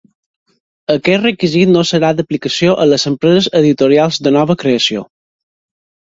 Aquest requisit no serà d'aplicació a les empreses editorials de nova creació.